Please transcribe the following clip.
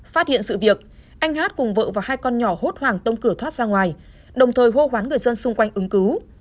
phát hiện sự việc anh hát cùng vợ và hai con nhỏ hốt hoảng tông cửa thoát ra ngoài đồng thời hô hoán người dân xung quanh ứng cứu